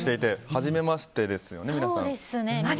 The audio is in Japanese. はじめましてですよね、皆さん。